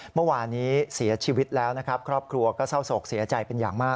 เมื่อวานนี้เสียชีวิตแล้วนะครับครอบครัวก็เศร้าโศกเสียใจเป็นอย่างมาก